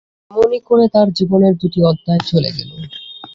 এমনি করে তার জীবনের দুটি অধ্যায় চলে গেল।